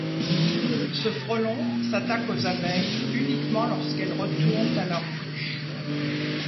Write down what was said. Ce frelon s'attaque aux abeilles, uniquement lorsqu'elles retournent à leur ruche.